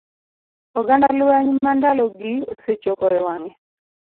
oganda lweny ma ndalogi osechopo e wang'e.